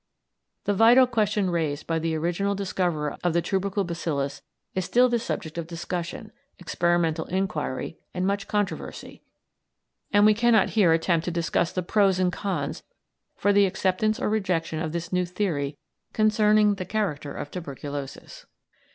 The vital question raised by the original discoverer of the tubercle bacillus is still the subject of discussion, experimental inquiry, and much controversy, and we cannot here attempt to discuss the pros and cons for the acceptance or rejection of this new theory concerning the character of tuberculosis.